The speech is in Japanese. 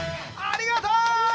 ありがとー！